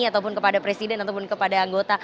ataupun kepada presiden ataupun kepada anggota